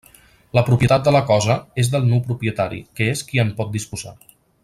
La propietat de la cosa és del nu propietari, que és qui en pot disposar.